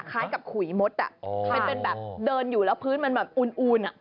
คล้ายกับขุยมดมันเป็นแบบเดินอยู่แล้วพื้นมันแบบอูน